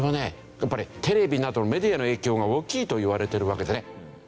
やっぱりテレビなどメディアの影響が大きいといわれてるわけですね。